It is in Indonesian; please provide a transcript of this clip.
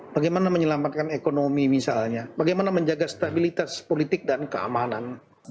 bagaimana menyelamatkan ekonomi misalnya bagaimana menjaga stabilitas politik dan keamanan